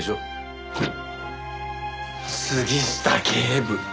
杉下警部。